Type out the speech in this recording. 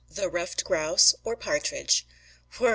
THE RUFFED GROUSE, OR PARTRIDGE Whir!